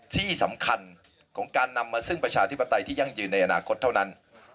ที่สำคัญของการนำมาซึ่งประชาธิปไตยที่ยั่งยืนในอนาคตเท่านั้น